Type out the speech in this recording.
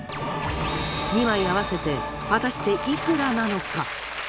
２枚合わせて果たしていくらなのか？